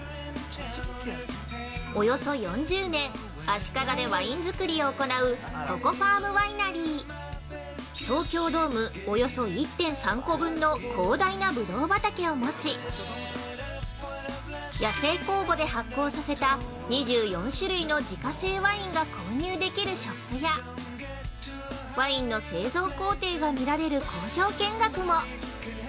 ◆およそ４０年足利でワイン造りを行うココファームワイナリー東京ドームおよそ１．３個分、広大なぶどう畑を持ち、野生酵母で発酵させた２４種類の自家製ワインが購入できるショップやワインの製造工程が見られる工場見学も。